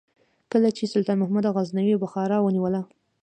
کله چې سلطان محمود غزنوي بخارا ونیوله.